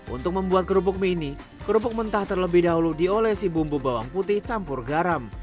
untuk membuat kerupuk mie ini kerupuk mentah terlebih dahulu diolesi bumbu bawang putih campur garam